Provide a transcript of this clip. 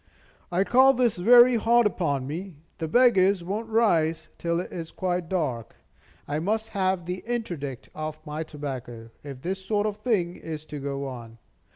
"I call this very hard upon me. The beggars won't rise till it is quite dark. I must have the interdict off my tobacco, if this sort of thing is to go on.